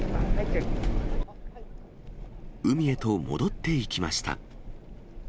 海へと戻っていきました。